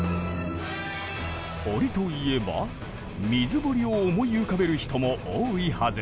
堀といえば水堀を思い浮かべる人も多いはず。